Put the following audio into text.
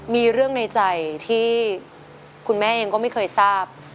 มีเรื่องในใจที่คุณแม่เองก็ไม่เคยทราบ